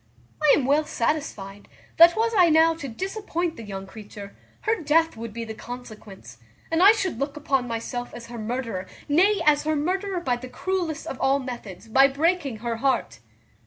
I am well satisfied, that, was I now to disappoint the young creature, her death would be the consequence, and I should look upon myself as her murderer; nay, as her murderer by the cruellest of all methods, by breaking her heart."